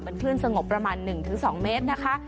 เป็นคลื่นสงบประมาณ๑๒เมตรนะคะ